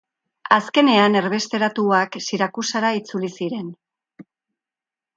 Azkenean, erbesteratuak Sirakusara itzuli ziren.